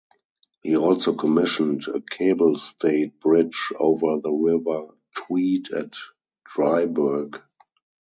He also commissioned a cable-stayed bridge over the River Tweed at Dryburgh.